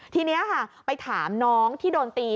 ทีนี้ค่ะไปถามน้องที่โดนตี